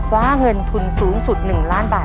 คว้าเงินทุนสูงสุด๑ล้านบาท